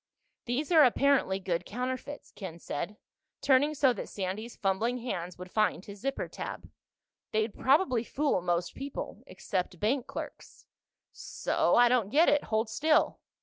"These are apparently good counterfeits," Ken said, turning so that Sandy's fumbling hands would find his zipper tab. "They'd probably fool most people—except bank clerks." "So? I don't get it. Hold still."